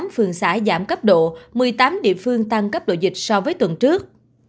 tám phường xã giảm cấp độ một mươi tám địa phương tăng cấp độ dịch so với tuần trước